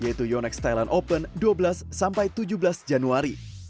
yaitu yonex thailand open dua belas sampai tujuh belas januari